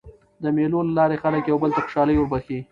د مېلو له لاري خلک یو بل ته خوشحالي وربخښي.